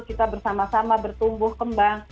kita bersama sama bertumbuh kembang